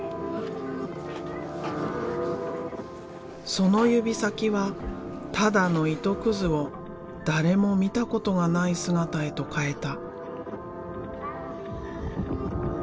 その指先はただの糸くずを誰も見たことがない姿へと変えた。